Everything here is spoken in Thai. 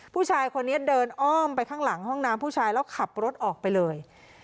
ผู้ชายคนนี้เดินอ้อมไปข้างหลังห้องน้ำผู้ชายแล้วขับรถออกไปเลย